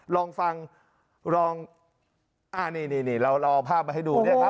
ลองฟังลองนี่เราเอาภาพมาให้ดูเนี่ยครับ